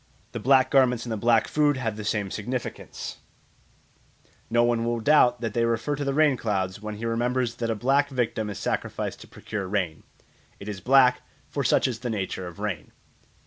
The black garments and the black food have the same significance; no one will doubt that they refer to the rain clouds when he remembers that a black victim is sacrificed to procure rain; 'it is black, for such is the nature of rain.'